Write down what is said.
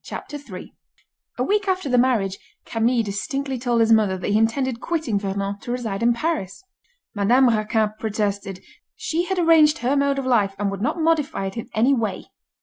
CHAPTER III A week after the marriage, Camille distinctly told his mother that he intended quitting Vernon to reside in Paris. Madame Raquin protested: she had arranged her mode of life, and would not modify it in any way.